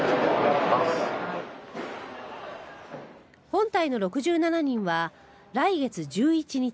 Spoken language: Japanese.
本隊の６７人は来月１１日